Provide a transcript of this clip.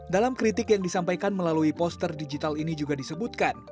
dalam kritik yang disampaikan melalui poster digital ini juga disebutkan